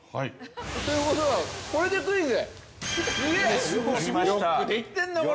ということは、これでクイズ。